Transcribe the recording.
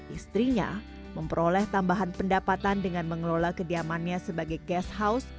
istrinya memperoleh tambahan pendapatan dengan mengelola kediamannya sebagai case house